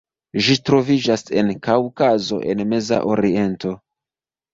Ĝi troviĝas en Kaŭkazo kaj Meza Oriento.